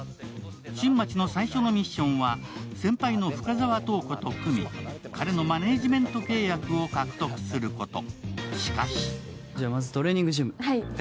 新町の最初のミッションは先輩の深沢塔子と組み、彼のマネージメント契約を獲得すること。